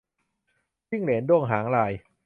จิ้งเหลนด้วงหางลาย